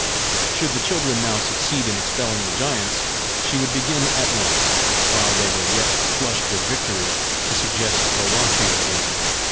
Should the children now succeed in expelling the giants, she would begin at once, while they were yet flushed with victory, to suggest the loftier aim!